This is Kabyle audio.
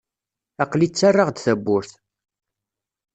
Aql-i ttarraɣ-d tawwurt.